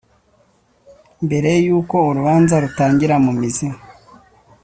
Mbere y’uko urubanza rutangira mu mizi